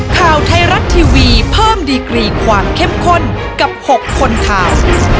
ข่าวไทยรัฐทีวีเพิ่มดีกรีความเข้มข้นกับ๖คนข่าว